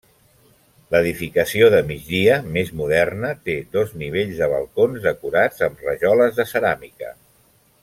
L'edificació de migdia, més moderna, té dos nivells de balcons decorats amb rajoles de ceràmica.